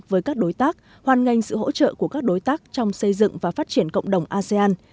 với các đối tác hoàn ngành sự hỗ trợ của các đối tác trong xây dựng và phát triển cộng đồng asean